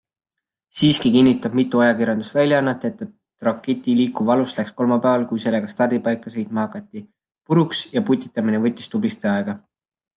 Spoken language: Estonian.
Siiski kinnitab mitu ajakirjandusväljaannet, et raketi liikuv alus läks kolmapäeval, kui sellega stardipaika sõitma hakati, puruks ja putitamine võttis tublisti aega.